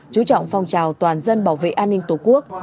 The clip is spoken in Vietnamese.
chú trọng phong trào toàn dân bảo vệ an ninh tổ quốc